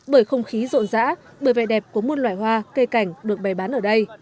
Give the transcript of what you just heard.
bởi không khí rộn rã bởi vẻ đẹp của môn loại hoa cây cảnh được bày bán ở đây